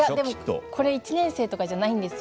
１年生とかじゃないです。